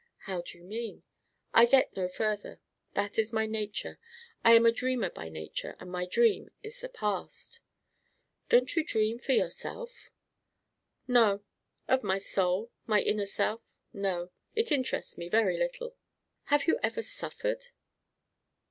"How do you mean?" "I get no further. That is my nature. I am a dreamer by nature; and my dream is the past." "Don't you dream of yourself?" "No. Of my soul, my inner self? No. It interests me very little." "Have you ever suffered?"